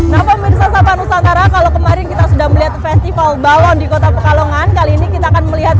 kalau kemarin kita sudah melihat festival balon di kota pekalongan kali ini kita akan melihat